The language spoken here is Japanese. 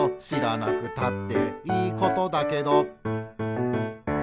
「しらなくたっていいことだけど」